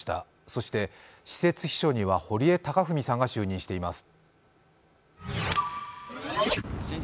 そして私設秘書には堀江貴文さんが就任しています。